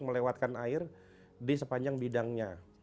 melewatkan air di sepanjang bidangnya